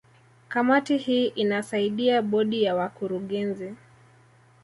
Kamati hii inasaidia Bodi ya Wakurugenzi